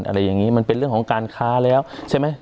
อะไรอย่างนี้มันเป็นเรื่องของการค้าแล้วใช่ไหม